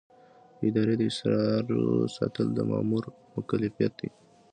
د ادارې د اسرارو ساتل د مامور مکلفیت دی.